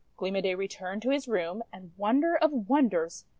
Gleam o' Day returned to his room, and, wonder of wonders!